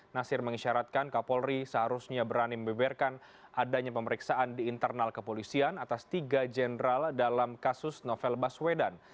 nasir mengisyaratkan kapolri seharusnya berani membeberkan adanya pemeriksaan di internal kepolisian atas tiga jenderal dalam kasus novel baswedan